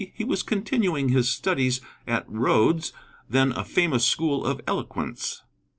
he was continuing his studies at Rhodes, then a famous school of eloquence.